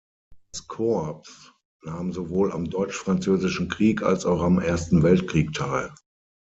Das Korps nahm sowohl am Deutsch-Französischen Krieg als auch am Ersten Weltkrieg teil.